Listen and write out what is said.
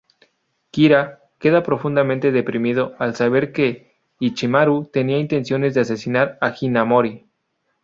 Kira queda profundamente deprimido al saber que Ichimaru tenían intenciones de asesinar a Hinamori.